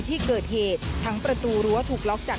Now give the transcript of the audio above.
มีความรู้สึกว่า